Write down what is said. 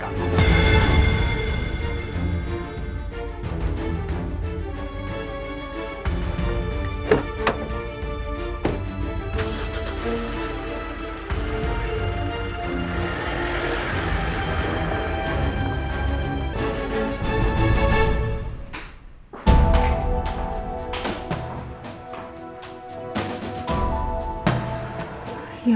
ya allah sa